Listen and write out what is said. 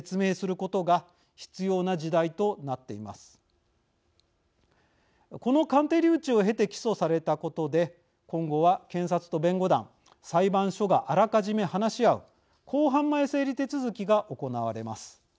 この鑑定留置を経て起訴されたことで今後は検察と弁護団裁判所があらかじめ話し合う公判前整理手続きが行われます。